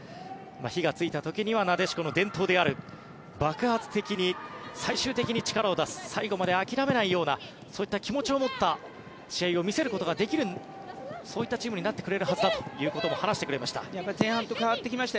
火がついた時にはなでしこの伝統である爆発的に最終的に力を出す最後まで諦めないようなそういった気持ちを持った試合を見せることができるそういったチームになってくれるはずだとも話してくれました。